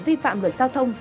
vi phạm luật giao thông